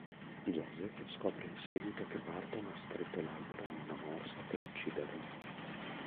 Joseph scopre in seguito che Burton ha stretto l'albero in una morsa per ucciderlo.